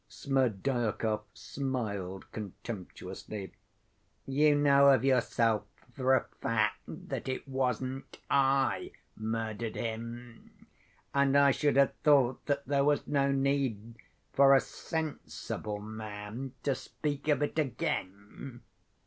Smerdyakov smiled contemptuously. "You know of yourself, for a fact, that it wasn't I murdered him. And I should have thought that there was no need for a sensible man to speak of it again."